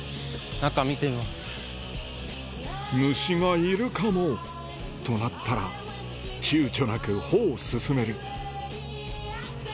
虫がいるかも？となったら躊躇なく歩を進める